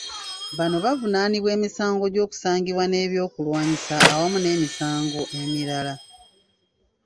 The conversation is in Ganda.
Bano bavunaanibwa emisango gy’okusangibwa n’ebyokulwanyisa awamu n’emisango emirala.